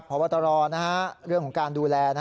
พบตรเรื่องของการดูแล